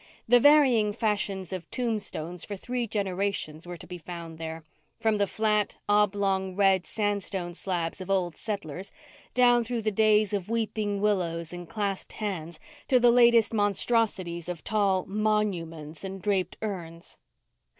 The varying fashions of tombstones for three generations were to be found there, from the flat, oblong, red sandstone slabs of old settlers, down through the days of weeping willows and clasped hands, to the latest monstrosities of tall "monuments" and draped urns.